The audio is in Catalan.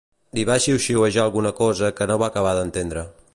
Li va xiuxiuejar alguna cosa que no va acabar d'entendre.